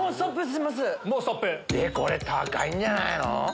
これ高いんじゃないの？